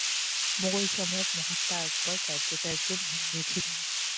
মোগল সম্রাট মহাত্মা আকবর কার্যত একজন হিন্দু ছিলেন।